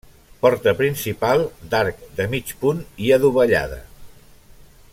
Porta principal d'arc de mig punt i adovellada.